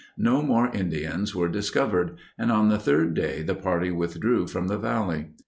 No more Indians were discovered, and on the third day the party withdrew from the valley.